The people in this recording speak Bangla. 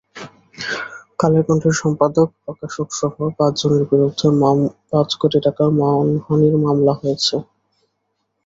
কালের কণ্ঠের সম্পাদক, প্রকাশকসহ পাঁচজনের বিরুদ্ধে পাঁচ কোটি টাকার মানহানির মামলা হয়েছে।